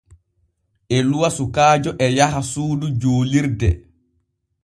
Eluwa sukaajo e yaha suudu juulirde.